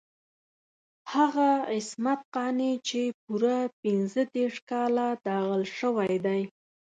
هغه عصمت قانع چې پوره پنځه دېرش کاله داغل شوی دی.